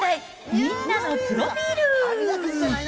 みんなのプロフィール。